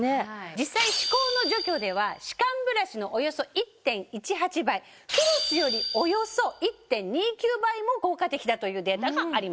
実際歯垢の除去では歯間ブラシのおよそ１．１８倍フロスよりおよそ１．２９倍も効果的だというデータがあります。